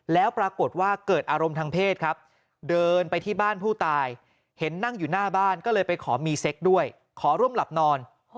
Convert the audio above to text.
แล้วปรากฏว่าเกิดอารมณ์ทางเพศครับเดินไปที่บ้านผู้ตายเห็นนั่งอยู่หน้าบ้านก็เลยไปขอมีเซ็กด้วยขอร่วมหลับนอน